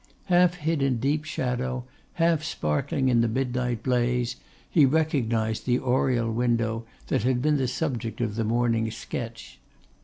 Half hid in deep shadow, half sparkling in the midnight blaze, he recognised the oriel window that had been the subject of the morning's sketch.